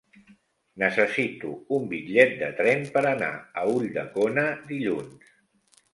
Necessito un bitllet de tren per anar a Ulldecona dilluns.